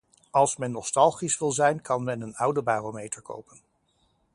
Als men nostalgisch wil zijn kan men een oude barometer kopen.